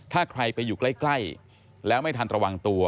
ถ้าใครไปอยู่ใกล้แล้วไม่ทันระวังตัว